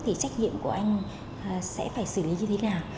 thì trách nhiệm của anh sẽ phải xử lý như thế nào